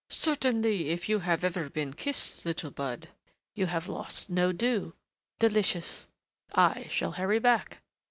Certainly if you have ever been kissed, little bud, you have lost no dew.... Delicious.... I shall hurry back."